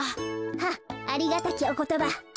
はっありがたきおことば。